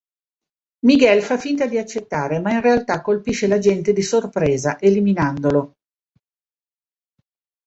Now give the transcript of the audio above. Miguel fa finta di accettare, ma in realtà colpisce l'agente di sorpresa eliminandolo.